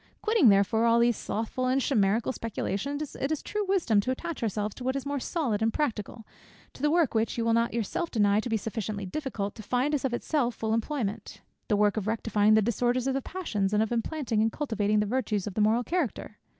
Quitting therefore all these slothful and chimerical speculations, it is true wisdom to attach ourselves to what is more solid and practical; to the work which you will not yourself deny to be sufficiently difficult to find us of itself full employment: the work of rectifying the disorders of the passions, and of implanting and cultivating the virtues of the moral character."